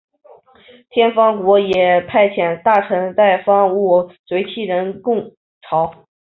天方国也派遣大臣带方物随七人朝贡。